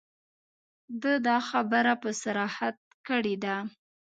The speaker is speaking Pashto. ده دا خبره په صراحت کړې ده.